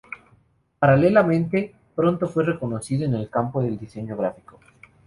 Paralelamente, pronto fue reconocido en el campo del diseño gráfico.